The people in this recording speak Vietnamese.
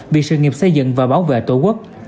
vì sự nghiệp xây dựng và bảo vệ tổ quốc